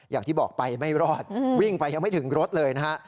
อย่างที่บอกไปไม่รอดวิ่งไปยังไม่ถึงรถเลยนะฮะ